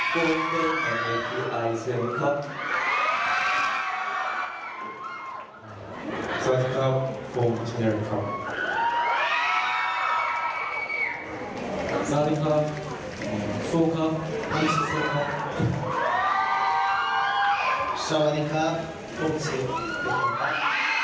สวัสดีครับฟุ้งที่นี่แหละครับสวัสดีครับฟุ้งครับสวัสดีครับสวัสดีครับฟุ้งที่นี่แหละครับ